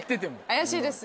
怪しいです。